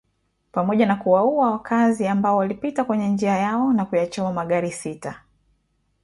Pamoja na kuwaua wakaazi ambao walipita kwenye njia yao na kuyachoma magari sita.